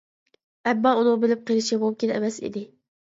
ئەمما ئۇنىڭ بىلىپ قېلىشى مۇمكىن ئەمەس ئىدى.